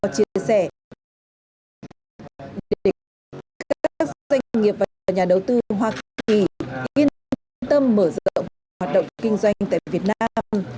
lợi ích hài hòa rủi ro chia sẻ để các doanh nghiệp và nhà đầu tư hoa kỳ yên tâm mở rộng hoạt động kinh doanh tại việt nam